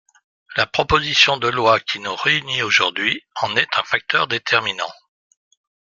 La proposition de loi qui nous réunit aujourd’hui en est un facteur déterminant.